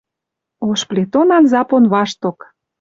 Ош плетонан запон вашток